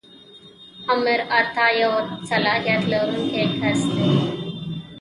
آمر اعطا یو صلاحیت لرونکی کس دی.